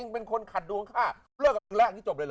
เป็นคนขัดดวงข้าเลิกกับแม่งแหละอันนี้จบเลยเหรอ